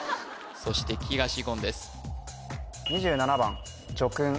そして東言です